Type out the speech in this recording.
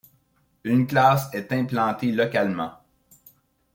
Une classe est implantée localement.